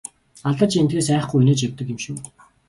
Алдаж эндэхээс айхгүй инээж явдаг юм шүү!